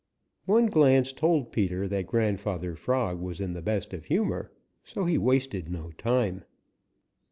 One glance told Peter that Grandfather Frog was in the best of humor, so he wasted no time.